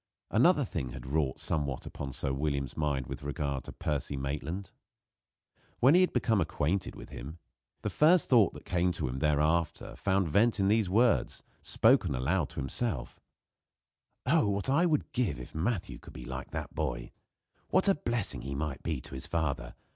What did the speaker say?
Another thing had wrought somewhat upon Sir William's mind with regard to Percy Maitland. When he had become acquainted with him, the first thought that came to him thereafter found vent in these words, spoken aloud, to himself: "Oh, what would I give if Matthew could be like that boy! What a blessing he might be to his father!